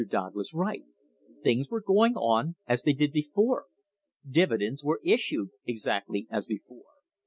Dodd was right; things were going on as they did before ; dividends were issued exactly as before.